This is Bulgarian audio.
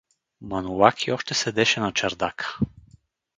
Манолаки още седеше на чардака.